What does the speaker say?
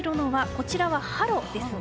こちらはハロですね。